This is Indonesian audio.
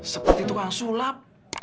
seperti tukang sulap